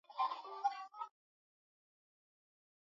Ana na mikanda ya pango yake